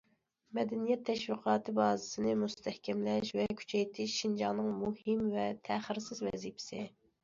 مەدەنىيەت تەشۋىقاتى بازىسىنى مۇستەھكەملەش ۋە كۈچەيتىش شىنجاڭنىڭ مۇھىم ۋە تەخىرسىز ۋەزىپىسى.